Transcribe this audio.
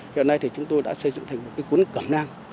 hiện nay thì chúng tôi đã xây dựng thành một cái cuốn cẩm nang